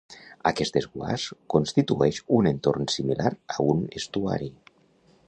Aquest desguàs constitueix un entorn similar a un estuari.